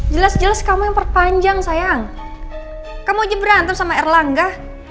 jelas jelas kamu yang perpanjang sayang kamu jebran terus sama erlangga